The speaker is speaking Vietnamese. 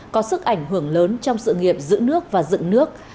có sức ảnh hưởng lớn trong sự nghiệp giữ nước và dựng nước